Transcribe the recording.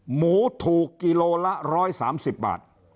หมูถูกกิโลละ๑๓๐บาท